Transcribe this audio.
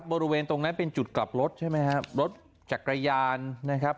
บริเวณตรงนั้นเป็นจุดกลับรถใช่ไหมครับรถจักรยานนะครับ